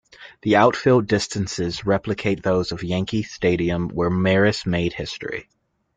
The outfield distances replicate those of Yankee stadium where Maris made history.